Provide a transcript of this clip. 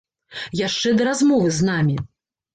Яшчэ да размовы з намі.